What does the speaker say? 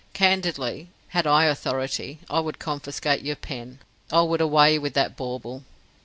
Candidly, had I authority I would confiscate your pen: I would 'away with that bauble'.